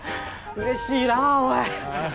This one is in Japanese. うれしいなぁおい。